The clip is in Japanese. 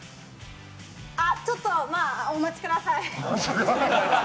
あっ、ちょっと、まあお待ちください。